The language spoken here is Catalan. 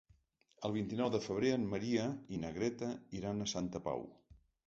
El vint-i-nou de febrer en Maria i na Greta iran a Santa Pau.